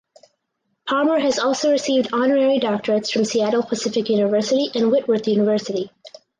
Palmer has also received honorary doctorates from Seattle Pacific University and Whitworth University.